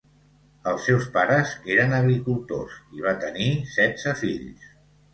Els seus pares eren agricultors i va tenir setze fills.